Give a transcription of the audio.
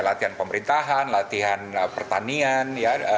latihan pemerintahan latihan pertanian